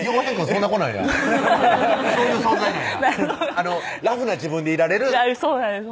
そんな子なんやそういう存在なんやラフな自分でいられるそうなんです